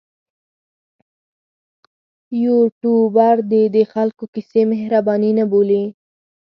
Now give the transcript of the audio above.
یوټوبر دې د خلکو کیسې مهرباني نه بولي.